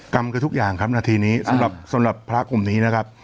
กรรมคือทุกอย่างครับนาทีนี้สำหรับพระคุมนี้นะครับ